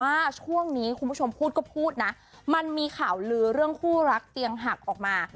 ว่าช่วงนี้คุณผู้ชมพูดก็พูดนะมันมีข่าวลือเรื่องคู่รักเตียงหักออกมา